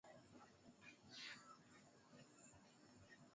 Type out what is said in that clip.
Pia mataifa ya Ufaransa na Luxemburg bila kusahau Ubelgiji na Uholanzi